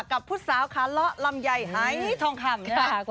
กับผู้สาวค่ะละลำไยทองคำ